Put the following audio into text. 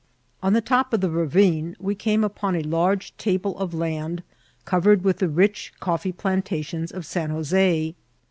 On the top of the ravine we came up<Hi a large table of land covered with the rich coffee plantations of San Jos6.